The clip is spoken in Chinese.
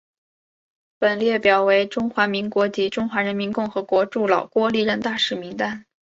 本列表为中华民国及中华人民共和国驻老挝历任大使名录。